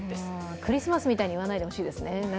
クリスマスみたいに言わないでほしいですね。